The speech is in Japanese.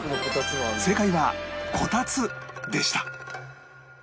正解はこたつでした